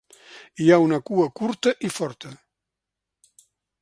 Hi ha una cua curta i forta.